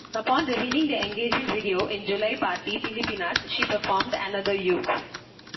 Upon revealing their engagement video in July Party Pilipinas, she performed "Another You".